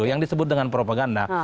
yang disebut dengan propaganda